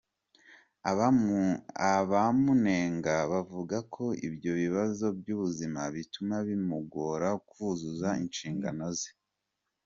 Abamunenga bavuga ko ibyo bibazo by'ubuzima bituma bimugora kuzuza inshingano ze.